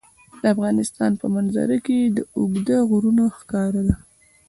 د افغانستان په منظره کې اوږده غرونه ښکاره ده.